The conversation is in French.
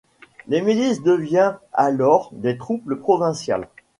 Les milices deviennt alors des troupes provinciales.